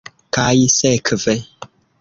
Kaj sekve.